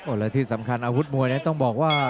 อ่อนและที่สำคัญอาวุธมวยน์เนี่ยต้องบอกว่า